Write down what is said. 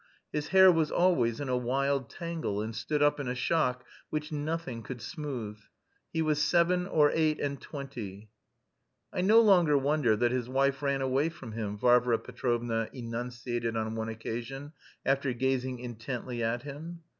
His hair was always in a wild tangle and stood up in a shock which nothing could smooth. He was seven or eight and twenty. "I no longer wonder that his wife ran away from him," Varvara Petrovna enunciated on one occasion after gazing intently at him.